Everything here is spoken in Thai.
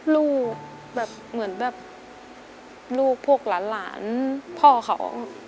ลูกแบบเหมือนแบบลูกพวกหลานพ่อเขา